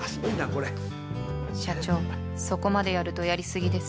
社長そこまでやるとやりすぎです